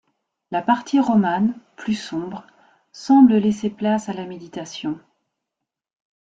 La partie romane, plus sombre, semble laisser place à la méditation.